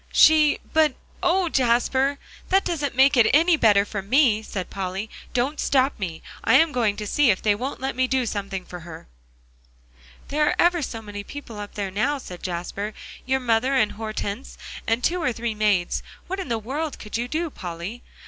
"She but, oh, Jasper! that doesn't make it any better for me," said Polly. "Don't stop me; I am going to see if they won't let me do something for her." "There are ever so many people up there now," said Jasper. "Your mother, and Hortense, and two or three maids. What in the world could you do, Polly?